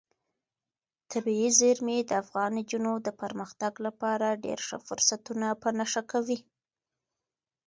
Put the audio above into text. طبیعي زیرمې د افغان نجونو د پرمختګ لپاره ډېر ښه فرصتونه په نښه کوي.